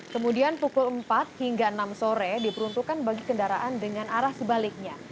kemudian pukul empat hingga enam sore diperuntukkan bagi kendaraan dengan arah sebaliknya